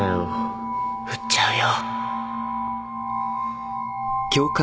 撃っちゃうよ